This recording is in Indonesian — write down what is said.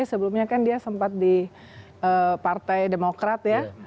sebelumnya kan dia sempat di partai demokrat ya